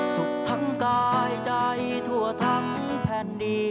สุขทั้งกายใจทั่วทั้งแผ่นดี